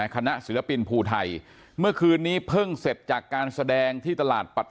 ศิลปินภูไทยเมื่อคืนนี้เพิ่งเสร็จจากการแสดงที่ตลาด